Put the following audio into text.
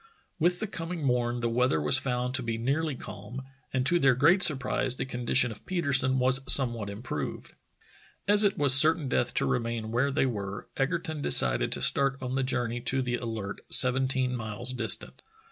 With the coming morn the weather was found to be nearly calm, and to their great surprise the condi tion of Petersen was somewhat improved. As it was certain death to remain where they were, Egerton decided to start on the journey to the Alert, seventeen miles distant.